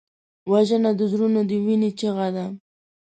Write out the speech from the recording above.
وژنه د زړونو د وینې چیغه ده